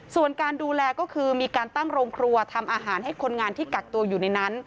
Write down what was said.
ส่วนการดูแลก็คือมีการตั้งโรงครัวทำอาหารให้คนงานที่กักตัวอยู่ในนั้น